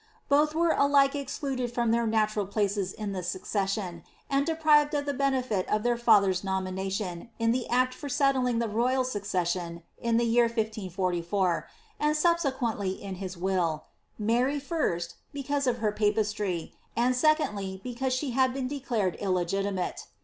Both were alike excluded from their natural places in the succession, and deprived of the benefit of their father's nomination in the act for settling the royal succession in the year 1544, and subsequently in his will — Mary, first, because of her papistry, and secondly, because she had been declared illegitimate.